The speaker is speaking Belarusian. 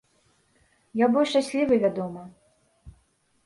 Я быў шчаслівы, вядома.